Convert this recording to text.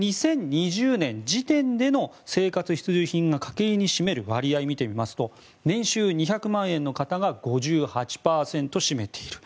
２０２０年時点での生活必需品が家計に占める割合を見てみますと年収２００万円の方が５８％占めている。